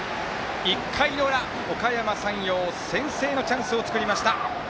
１回の裏、おかやま山陽先制のチャンスを作りました。